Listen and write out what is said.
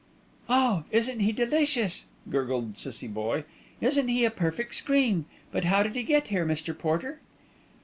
"Oh! isn't he delicious," gurgled Cissie Boye. "Isn't he a perfect scream; but how did he get here, Mr. Porter?"